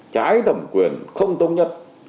trái thẩm quyền không tôn nhất